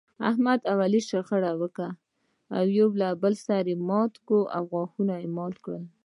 احمد او علي شخړه وکړه، یو بل یې سر ماتی او غاښ ماتی کړل.